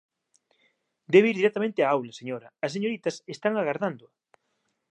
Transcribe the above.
Debe ir directamente á aula, señora, as señoritas están agardándoa!